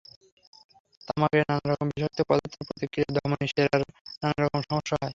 তামাকের নানা রকম বিষাক্ত পদার্থের প্রতিক্রিয়ায় ধমনি, শিরার নানা রকম সমস্যা হয়।